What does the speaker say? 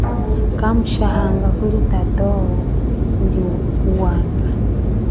Kamushahanga kuli tatowo ku wanga.